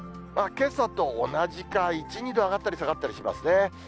けさと同じか、１、２度上がったり下がったりしますね。